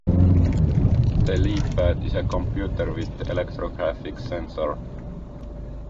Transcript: The LeapPad is a computer with electrographic sensor.